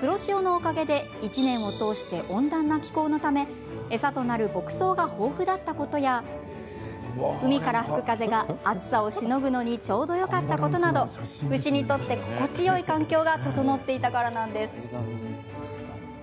黒潮のおかげで１年を通して温暖な気候のため餌となる牧草が豊富だったことや海から吹く風が暑さをしのぐのにちょうどよかったことなど牛にとって心地よい環境が整っていたからなんです。